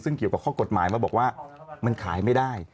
ซึ่งเกี่ยวกับข้อกฎหมายมาบอกว่ามันขายไม่ได้